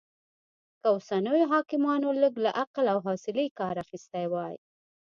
که اوسنيو حاکمانو لږ له عقل او حوصلې کار اخيستی وای